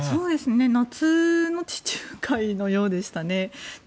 夏の地中海のようでしたね。